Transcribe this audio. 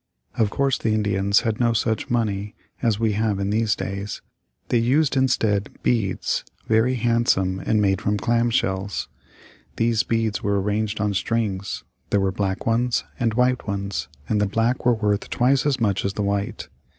Of course the Indians had no such money as we have in these days. They used instead beads, very handsome and made from clam shells. These beads were arranged on strings. There were black ones and white ones, and the black were worth twice as much as the white.